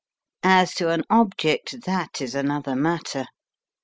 As to an object, that is another matter.